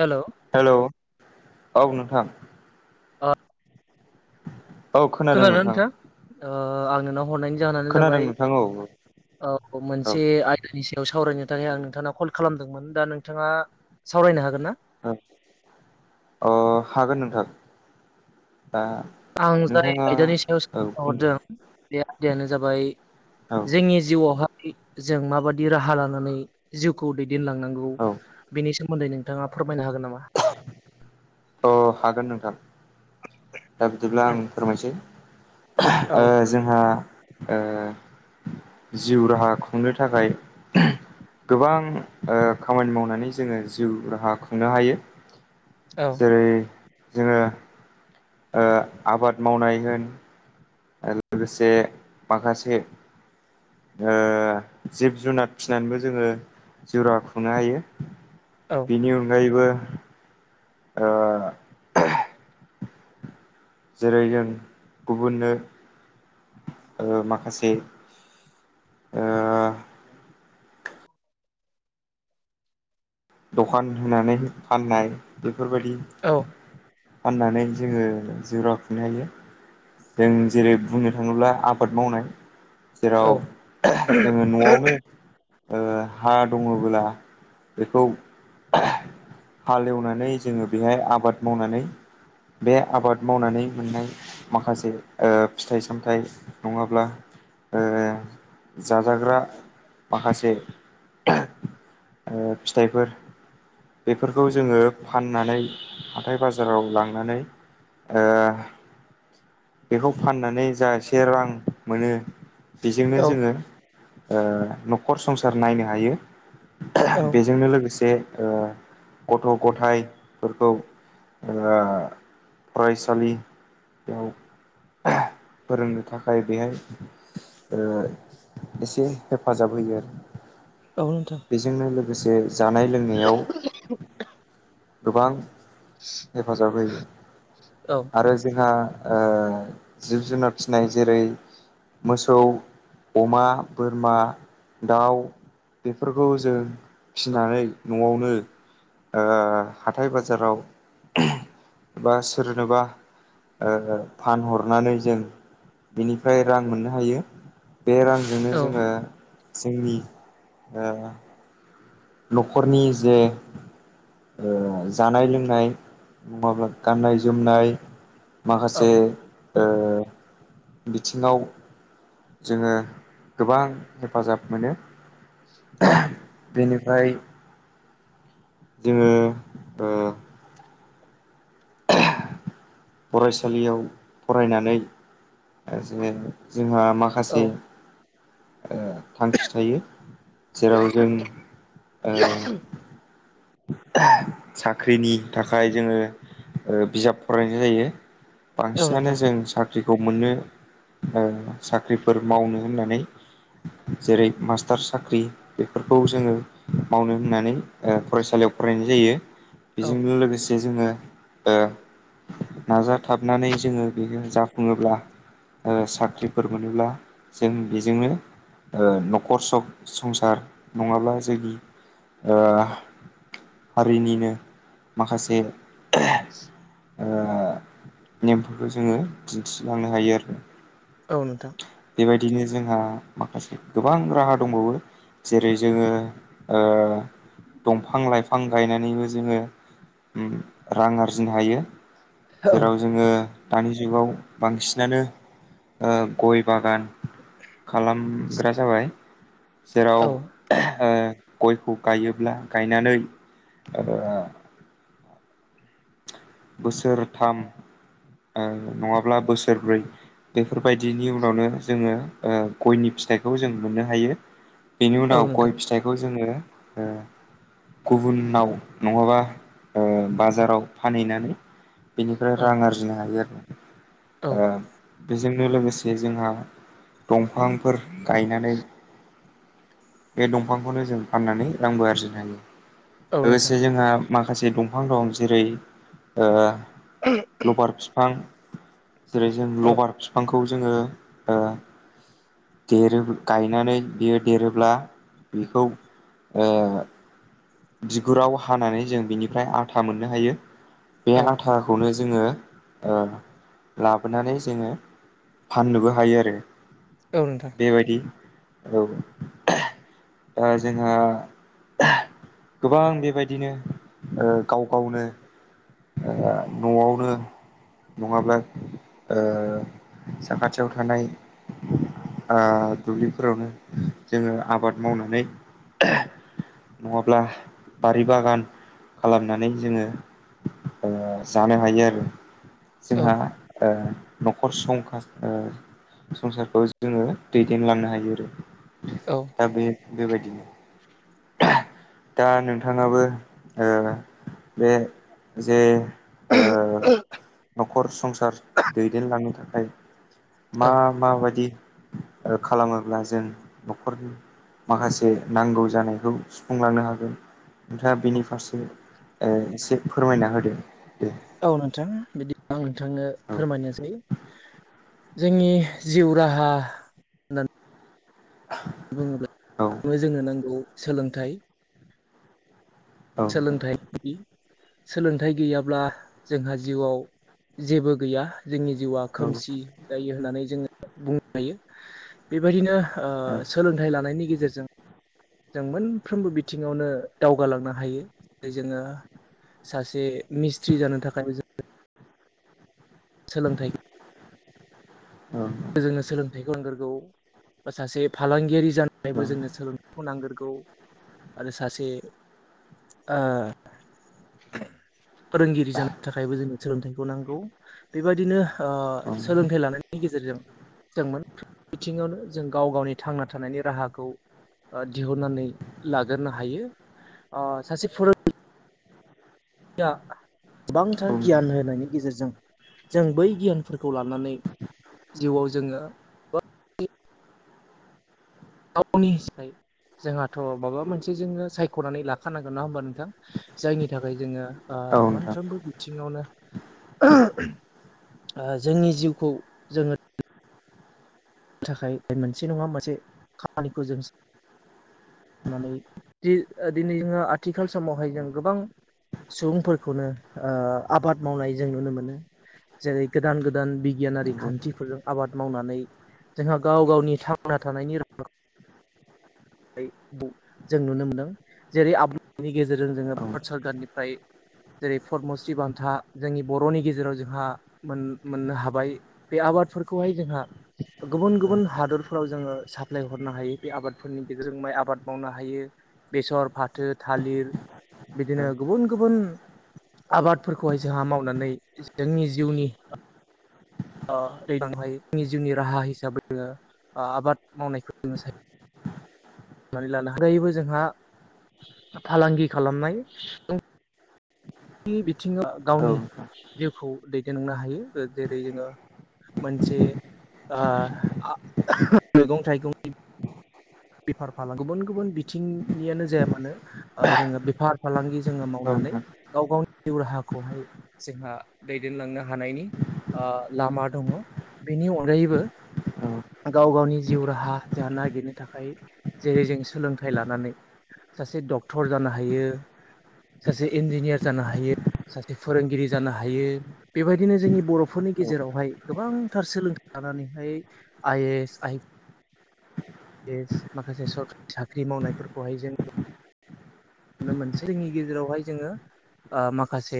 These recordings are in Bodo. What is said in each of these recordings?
हेलौ हेलौ औ नोंथां आ औ खोनादों नोंथां ओ आं नोंनाव हरनायनि जाहोनानो खोनादों जाबाय नोंथां औ औ मोनसे आयदानि सो सावरायनो थाखाय आं नोंथांनाव कल खालामदोंमोन दा नोंथाङा सावरायनो हागोन ना?? [unintelligible] अ हागोन नोंथां दा आं जाय नोंथाङा आयदानि सायाव औ सोंहरदों बुंदो बे आयदायानो जाबाय औ जोंनि जिउवावहा जों माबादि राहा लानानै जिउखौ दैदेनलांनांगौ औ बेनि सोमोन मोनदै नोंथाङा फोर [unintelligible] अ हागोन नोंथां दा बिदिब्ला आं फोरमायसै [unintelligible] औ ओ जोंहा ओ जिउ राहा खुंनो थाखाय [unintelligible] गोबां ओ खामानि मावनानै जोङो जिउ राहा खुंनो हायो औ जेरै जोङो ओ आबाद मावनाय होन आरो लोगोसे माखासे ओ जिब-जुनार फिनानैबो जोङो जिउ राहा खुंनो हायो औ बिनि अनगायैबो ओ [unintelligible] जेरै जों गुबुननो ओ माखासे ओ दखान होनानै फाननाय बेफोरबायदि औ फाननानै जोङो जिउ राहा खुंनो हायो। जों जेरै बुंनो थाङोब्ला आबाद मावनाय जेराव औ [unintelligible] जोङो न'आवनो ओ हा दङ'बोला बेखौ [unintelligible] हाल एवनानै जोङो बिहाय आबाद मावनानै बे आबाद मावनानै मोननाय माखासे ओ फिथाइ-सामथाइ नङाब्ला ओ जाजाग्रा माखासे [unintelligible] ओ फिथाइफोर बेफोरखौ जोङो फाननानै हाथाय बाजाराव लांनानै ओ बेखौ फाननानै जा एसे रां मोनो बिजोंनो औ जोङो ओ न'खर संसार नायनो हायो औ बेजोंनो लोगोसे ओ गथ' गथायफोरखौ ओ फरायसालि [unintelligible] फोरोंनो थाखाय बेहाय ओ इसे हेफाजाब होयो आरो औ नोंथां से जानाय लोंनायाव गोबां हेफाजाब होयो औ आरो जोंहा ओ जिब जुनार फिसिनाय जेरै मोसौ अमा बोरमा दाउ बेफोरखौ जों फिनानै न'आवनो ओ हाथाय बाजाराव बा सोरनोबा ओ फानहरनानै जों बिनिफ्राय रां मोननो हायो बे रांजोंनो औ जोङो जोंनि ओ न'खरनि जे ओ जानाय लोंनाय नङाब्ला गाननाय जोमनाय औ माखासे ओ बिथिङाव जोङो गोबां हेफाजाब मोनो औ ओमफ्राय जोङो ओ फरायसालियाव फरायनानै जोङो जोंहा औ माखासे ओ थांखि थायो जेराव जों ओ साख्रिनि थाखाय जोङो ओ बिजाब फरायनाय जायो औ बांसिनानो नोंथां जों साख्रि ख्रिखौ मोननो ओ साख्रिफोर मावनो होननानै जेरै मास्टार साख्रि बेफोरखौ जोङो मावनो होननानै ओ फरायसालियाव फरायनाय जायो औ बेजोंनो लोगोसे जोङो ओ नाजाथाबनानै जोङो बेखौ जाफुङोब्ला ओ साख्रिफोर मोनोब्ला जों बेजोंनो ओ न'खर सब संसार नङाब्ला जोंनि ओ हारिनिनो माखासे ओ नेमफोरखौ जोङो दिनथिलांनो हायो आरो औ नोंथां बेबायदिनो जोंहा माखासे गोबां राहा दंबावो जेरै जोङो ओ दंफां-लाइफां गायनानैबो जोङो ओम रां आरजिनो हायो औ जेराव जोङो दानि जुगाव बांसिनानो ओ गय बागान खालामग्रा जाबाय औ जेराव ओ गयखौ गायोब्ला गायनानै बोसोरथाम ओ नङाब्ला बोसोरब्रै बेफोरबायदिनि उनावनो जोङो गयनि फि थाइखौ जों मोननो हायो बेनि औ उनाव गय नोंथां फिथाइखौ जोङो ओ गुबुनाव नङाबा ओ बाजाराव फानहैनानै बेनिफ्राय औ रां आरजिनो हायो आरो ना औ ओ बेजोंनो लोगोसे जोंहा दंफांफोर गायनानै बे दंफांखौनो जों फाननानै रांबो आरजिनो हायो औ नोंथां लोगोसे जोंहा माखासे दंफां दं जेरै ओ लबार फिफां जेरै जों औ लबार बिफांखौ जोङो ओ देरो गायनानै देर देरोब्ला बेखौ ओ बिगुराव हानानै जों बिनिफ्राय आथा मोननो हायो बे औ आथाखौनो जों जोङो ओ लाबोनानै जोङो फाननोबो हायो आरो औ नोंथां बेबायदि औ दा जोंहा गोबां बेबायदिनो ओ गाव गावनो ओ न'आवनो नङाब्ला ओ साखाथियाव थानाय ओ दुब्लिफोरावनो जोङो आबाद मावनानै नङाब्ला बारि बागान खालामनानै जोङो ओ जानो हायो आरो औ जोंहा ओ न'खर संखा संसारखौ जोङो दैदेनलांनो हायो आरो औ दा बे बेबायदिनो दा नोंथाङाबो ओ बे जे ओ न'खर संसार दैदेनलांनो थाखाय मा औ माबायदि खालामोब्ला जों न'खरनि माखासे नांगौ जानायखौ सुफुंलांनो हागोन नोंथाङा बेनि फारसे एसे फोरमायना होदो‌ दे औ नोंथां बिदि आं नोंथांनो औ फोरमायनोसै जोंनि जिउ राहा होननानै औ बुङोब्लानो जोंनो नांगौ सोलोंथाइ सोलोंथाइ बि सोलोंथाइ गैयाब्ला जोंहा जिउआव जेबो गैया जोंनि जिउआ औ खोमसि जायो होननानै जोङो बुंनो हायो बेबायदिनो ओ सोलोंथाइ लानायनि गेजेरजों जों मोनफ्रोमबो बिथिङावनो दावगालांनो हायो जेरै जोङो सासे मिस्ट्रि जानो थाखाय जों सोलोंथाइ औ जोंनो सोलोंथाइखौ नांगोरगौ बा सासे फालांगियारि जानो जोंनो सोलोंथायखौ नांगोरगौ आरो सासे ओ फोरोंगिरि जानो थाखायबो जोंनो सोलोंथाइखौ नांगौ बेबदिनो ओ सोलोंथाइ लानायनि गेजेरजों जों मोनफ्रोम बिथिङावनो जों गाव गावनि थांना थानायनि राहाखौ दिहुननानै लाग्रोनो ओ हायो सासे फोरोंगिरि आं गोबांथार गियान होनायनि गेजेरजों जों बै गियानफोरखौ लानानै जिउआव जोङो गावनि [unintelligible] जोंहाथ' माबा मोनसे जोङो सायख'नानै लाखानांगोन नङा होमबा नोंथां जायनि थाखाय जोङो ओ औ नोंथां मोनफ्रोमबो बिथिङावनो ओ जोंनि जिउखौ जोङो थाखाय मोनसे नङा मोनसे खामानिखौ जों नानै दिनै जोङो आथिखाल समावहाय जों गोबां सुबुंफोरखौनो ओ आबाद मावनाय जों नुनो मोनो जेरै गोदान गोदान बिगियानारि नंगौ औ खान्थिफोरजों आबाद मावनानै जोंहा गाव गावनि थांना थानायनि राहाखौ जों नुनो मोनदों जेरै आबादनि गेजेरजों जोङो औ भारत सरकारनिफ्राय जेरै पदमश्रि बान्था जोंनि बर'नि गेजेराव जोंहा मोननो हाबाय बे आ आबादफोरखौहाय जोंहा गुबुन औ गुबुन हादरफोराव जोङो साप्लाय हरनो हायो बे आबादफोरनि गेजेरजों माइ आबाद मावनो हायो बेसर फाथो थालिर बिदिनो गुबुन गुबुन आबादफोरखौहाय जोंहा मावनानै जोंनि जिउनि [unintelligible] जिउनि राहा हिसाबै जोङो आबाद मावनायखौ जोङो साय ख'नानै लानो हायो जोंहा फालांगि खालामनाय सुबुं बिथिङाव नोंथां औ गावनि जिउखौ दैदेलांनो हायो जेरै जोङो मोनसे ओह मैगं थाइगंनि बेफार फालांगि गुबुन गुबुन बिथिंनियानो जाया मानो जोङो बेफार फालांगि जोङो मावनानै गाव गावनि जिउ राहाखौहाय जोंहा दैदेनलांनो हानायनि ओ लामा दङ बेनि अनगायैबो गाव गावनि जिउ राहा जानो नागिरनो थाखाय जेरै जों सोलोंथाइ लानानै सासे डक्टर जानो हायो सासे इन्जिनियार जानो हायो सासे फोरोंगिरि जानो हायो बेबायदिनो जोंनि बर'फोरनि गेजेरावहाय गोबांथार सोलोंथाइ लानानैहाय I S I P S माखासे सरकारि साख्रि मावनायफोरखौहाय जों नुनो मोनसै जोंनि गेजेरावहाय जोङो ओ माखासे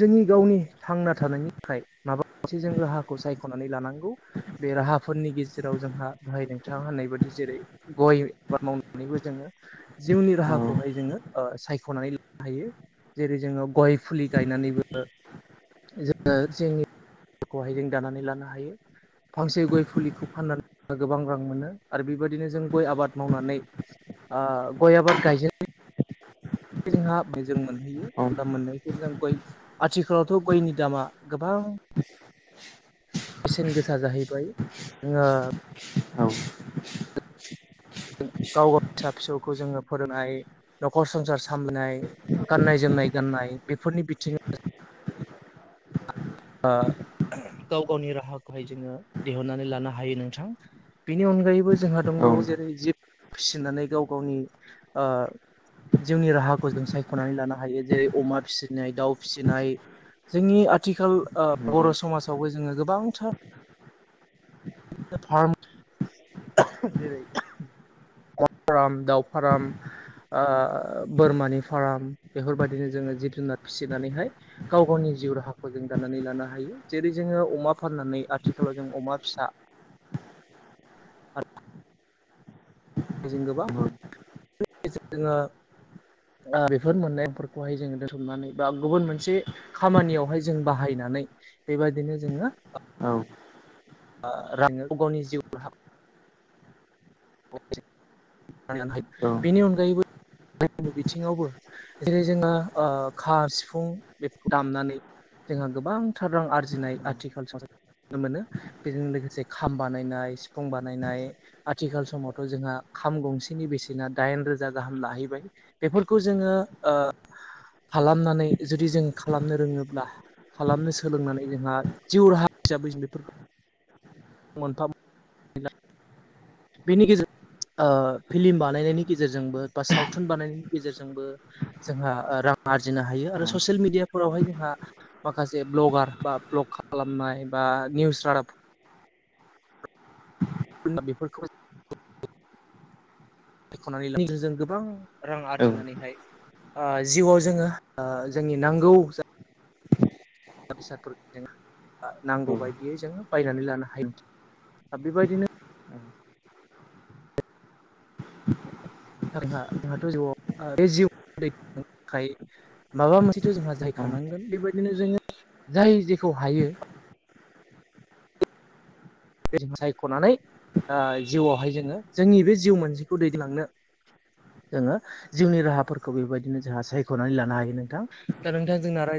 जोंनि गावनि थांना थानायनि थाखाय माबा मोनसे जों राहाखौ सायख'नानै लानांगौ बे बे राहाफोरनि गेजेराव जोंहा बाहाय नोंथाङा होननाय बायदि जेरै गय आबाद मावनानैबो जोङो जिउनि राहाखौहाय जोङो ओ सायख'नानै लानो हायो जेरै जोङो गय फुलि गायनानैबो जोङो जोंनिखौहाय जों दानानै लानो हायो फांसे गय फुलिखौ फाननानै गोबां रां मोनो आरो बेबायदिनो जों गय आबाद मावनानै ओ गय आबाद गायजेन जोंहा बे जों मोनहैयो औ एबा मोननायखौ जों गय आथिखालावथ' गयनि दामा गोबां बेसेन गोसा जाहैबाय जोङो औ गाव गाव फिसा फिसौखौ जोङो फोरोंनाय नखर संसार सामलायनाय गाननाय जोमनाय गाननाय बेफोरनि बिथिङाव ओ गाव गावनि राहाखौहाय जोङो दिहुननानै लानो हायो नोंथां बिनि अनगायैबो जोंहा औ दंबावो जेरै जिब फिसिनानै गाव गावनि ओ जिउनि राहाखौ जों सायख'नानै लानो हायो जेरै अमा फिसिनाय दाउ फिसिनाय जोंनि आथिखाल ओ नंगौ बर' समाजावबो जोङो गोबांथार फार्म जेरै अमा फाराम दाउ फाराम ओ बोरमानि फाराम बेफोरबायदिनो जोङो जिब जुनार फिसिनानैहाय गाव गावनि जिउ राहाखौ जों दानानै लानो हायो जेरै जोङो अमा फाननानै आथिखालाव जों अमा फिसा [unintelligible] जों गोबां नंगौ जोङो ओ बेफोर मोननायफोरखौहाय जोङो दोनथुमनानै बा गुबुन मोनसे खामानियावहाय जों बाहायना नै बेबायदिनो जोङो औ औ [unintelligible] गावनि जिउ राहा [unintelligible] बेनि अनगायैबो गु बिथिङावबो जेरै जोङो ओ खा सिफुं बेफोरखौ दामनानै जोंहा गोबांथार रां आरजिनाय आथिखाल नुनो मोनो बेजों लोगोसे खाम बानायनाय सिफुं बानायनाय आथिखाल समावथ' जोंहा खाम गंसेनि बेसेना दाइन रोजा गाहाम लाहैबाय बेफोरखौ जोङो ओ खालामनानै जुदि जों खालामनो रोङोब्ला खालामनो सोलोंनानै जोंहा जिउ राहा हिसाबै जों बेफोरखौ मोनथाम बिनि गेजेर ओ फिल्म बानायनायनि गेजेरजोंबो बा सावथुन बानायनायनि गेजेरजोंबो जोंहा रां आरजिनो हायो आरो ससियेल मिडियाफोरावहाय जोंहा माखासे ब्लगार बा भ्लग खालामनाय बा निउस रादाब बेफोरखौ सायख'नानै ला जों गोबां रां आरजिनानैहाय ओ जिउआव जोङो ओ जोंनि नांगौ जा मुवा बेसादफोर जों औ नांगौ बायदियै जोङो बायनानै लानो हायो आ बेबायदिनो जोंहा जोंहाथ' जिउआव बे जिउ [unintelligible] खाय माबा मोनसेथ' जोंहा औ जाहैखानांगोन बेबायदिनो जोङो जाय जेखौ हायो [unintelligible] सायख'नानै ओ जिउआवहाय जोङो जोंनि बे जिउ मोनसेखौ दैदेनलांनो जोङो जिउनि राहाफोरखौ बेबायदिनो जोंहा सायख'नानै लानो हायो नोंथां दा नोंथां जोंना राय